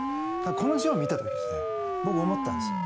この字を見た時に僕、思ったんですよ。